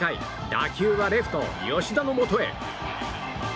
打球はレフト、吉田のもとへ。